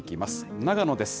長野です。